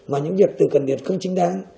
mà những việc từ cần tiền không chính đáng